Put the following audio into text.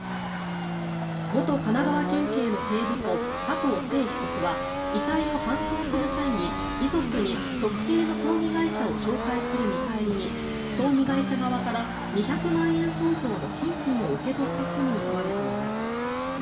元神奈川県警の警部補加藤聖被告は遺体を搬送する際に遺族に特定の葬儀会社を紹介する見返りに葬儀会社側から２００万円相当の金品を受け取った罪に問われています。